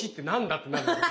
ってなるんです。